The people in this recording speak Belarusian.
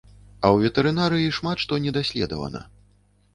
А ў ветэрынарыі шмат што не даследавана.